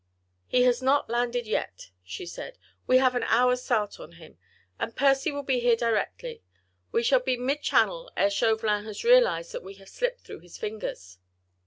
"He has not landed yet," she said, "we have an hour's start on him, and Percy will be here directly. We shall be mid Channel ere Chauvelin has realised that we have slipped through his fingers."